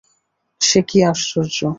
সে কী আশ্চর্য!